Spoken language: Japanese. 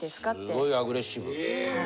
すごいアグレッシブ。